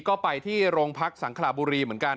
ก็ไปที่โรงพักสังขลาบุรีเหมือนกัน